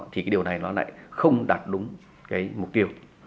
thì cái điều này nó lại không đạt đúng cái mục tiêu